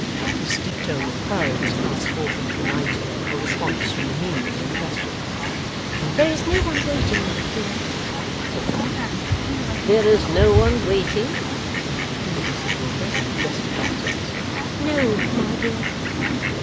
This deep toned inquiry was cast forth into the night, for response from the menial in question. 'There is no one waiting, Ma, dear,' said Bella. 'There is no one waiting?' repeated Mrs Wilfer in majestic accents. 'No, Ma, dear.